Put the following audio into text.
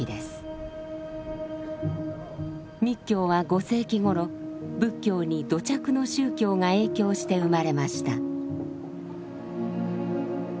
密教は５世紀頃仏教に土着の宗教が影響して生まれました。